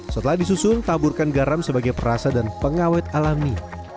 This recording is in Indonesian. setelah disusun taburkan garam sebagai perasa dan pengawet alami